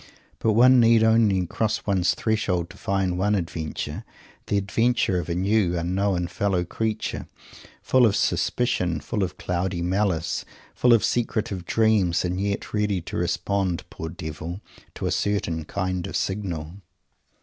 But one need only cross one's threshold to find one adventure the adventure of a new, unknown fellow creature, full of suspicion, full of cloudy malice, full of secretive dreams, and yet ready to respond poor devil to a certain kind of signal!